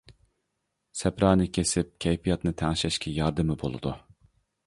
سەپرانى كېسىپ كەيپىياتىنى تەڭشەشكە ياردىمى بولىدۇ.